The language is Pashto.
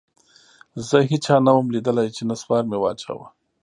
زه هېچا نه وم ليدلى چې نسوار مې واچاوه.